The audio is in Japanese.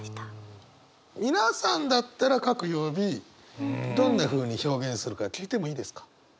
皆さんだったら各曜日どんなふうに表現するか聞いてもいいですか？